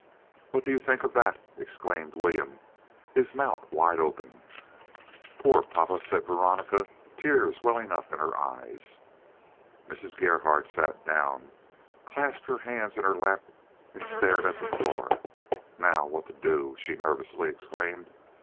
"What do you think of that?" exclaimed William, his mouth wide open. "Poor papa!" said Veronica, tears welling up in her eyes. Mrs. Gerhardt sat down, clasped her hands in her lap, and stared at the floor. "Now, what to do?" she nervously exclaimed.